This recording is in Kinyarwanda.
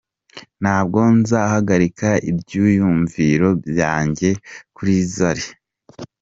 Ntabwo nzahagarika ibyiyumviro byanjye kuri Zari.